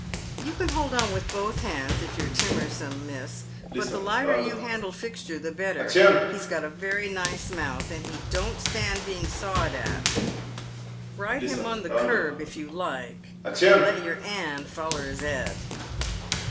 " You can hold on with both hands if you're timersome, miss, but the lighter you handle Fixture the better. He's got a very nice mouth, and he don't stand being sawed at. Eide liim on the curb if you like, but let your 'and foller 'is 'ed."